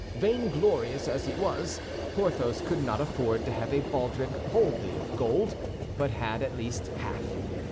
Vainglorious as he was, Porthos could not afford to have a baldric wholly of gold, but had at least half.